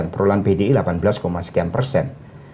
perulang bdi delapan belas sekian persen